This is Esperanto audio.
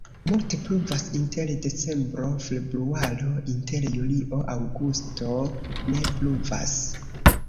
Multe pluvas inter decembro-februaro, inter julio-aŭgusto ne pluvas.